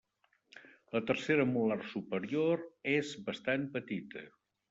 La tercera molar superior és bastant petita.